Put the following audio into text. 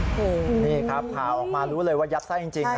โอ้โหนี่ครับผ่าออกมารู้เลยว่ายัดไส้จริง